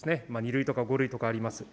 ２類とか、５類とかあります。